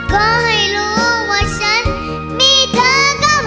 ขอให้รู้ว่าฉันมีเธอกรรม